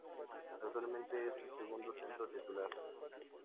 Actualmente es el segundo centro titular.